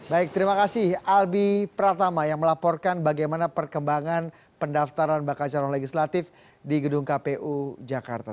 baik terima kasih albi pratama yang melaporkan bagaimana perkembangan pendaftaran bakal calon legislatif di gedung kpu jakarta